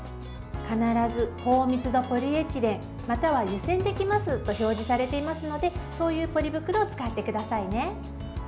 必ず高密度ポリエチレンまたは、湯煎できますと表示されていますのでそういうポリ袋を使ってくださいね。